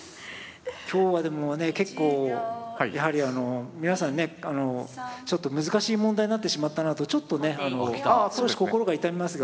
今日はでもね結構やはりあの皆さんねちょっと難しい問題になってしまったなとちょっとね少し心が痛みますが。